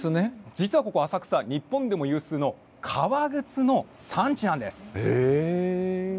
実はここ浅草、日本でも有数の革靴の産地なんです。